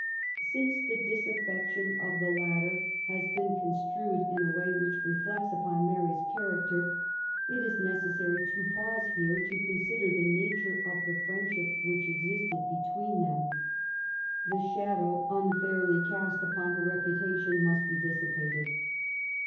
Since the disaffection of the latter has been construed in a way which . reflects upon Mary's character, it is necessary to pause here to consider the nature of the friendship which existed between them. 108 MABY W0LL8T0NECBAFT GODWIN. The shadow unfairly cast upon her reputation must be dissipated.